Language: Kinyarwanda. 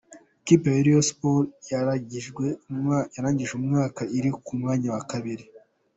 Ikipe ya Rayon Sports yarangije umwaka iri ku mwanya wa kabiri.